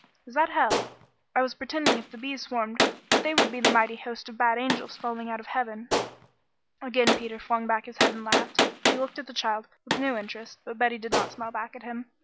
Is that hell? I was pretending if the bees swarmed that they would be the mighty host of bad angels falling out of heaven." Again Peter flung back his head and laughed. He looked at the child with new interest, but Betty did not smile back at him.